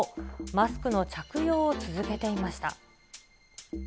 マスクの着用を続けていました。